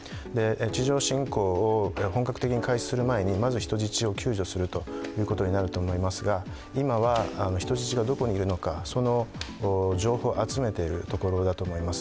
地上侵攻を本格的に開始する前にまず人質を救助することになると思いますが今は人質がどこにいるのか、その情報を集めているところだと思います。